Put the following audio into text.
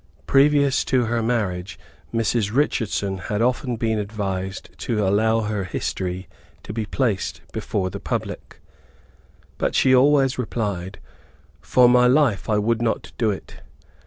Previous to her marriage, Mrs. Richardson had often been advised to allow her history to be placed before the public. But she always replied, "For my life I would not do it.